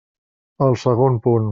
El segon punt.